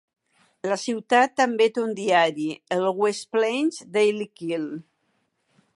La ciutat també té un diari, el "West Plains Daily Quill".